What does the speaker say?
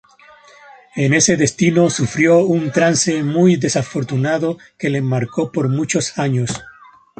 En ese destino sufrió un trance muy desafortunado que le marcó por muchos años.